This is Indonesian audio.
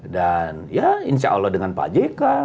dan ya insya allah dengan pak jk